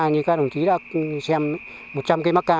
như các đồng chí đã xem một trăm linh cây mắc ca